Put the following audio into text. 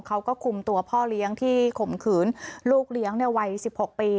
เขาก็คุมตัวพ่อเลี้ยงที่ข่มขืนลูกเลี้ยงในวัย๑๖ปี